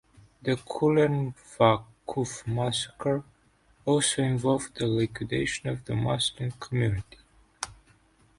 The Kulen Vakuf massacre also involved the liquidation of the Muslim community.